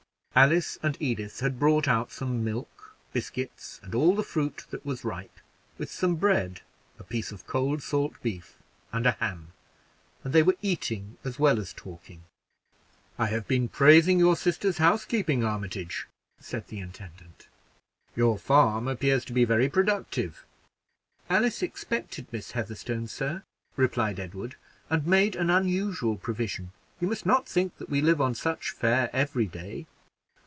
Alice and Edith had brought out some milk, biscuits, and all the fruit that was ripe, with some bread, a cold piece of salt beef, and a ham; and they were eating as well as talking. "I have been praising your sisters' house keeping, Armitage," said the intendant. "Your farm appears to be very productive." "Alice expected Miss Heatherstone, sir," replied Edward, "and made an unusual provision. You must not think that we live on such fare every day."